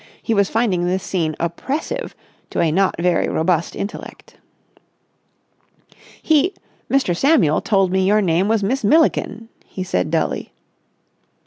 He was finding this scene oppressive to a not very robust intellect. "He—Mr. Samuel—told me your name was Miss Milliken," he said dully.